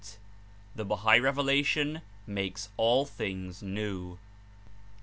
169 Tin: HAIIAI REVELATION MAKES ALL THINGS NEW.